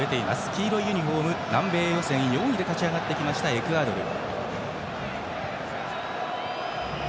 黄色いユニフォーム南米予選４位で勝ち上がってきましたエクアドル。